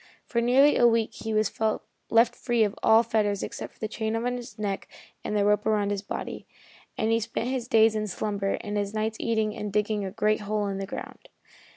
For nearly a week he was left free of all fetters except the chain on his neck and the rope around his body, and he spent his days in slumber and his nights eating and digging a great hole in the ground.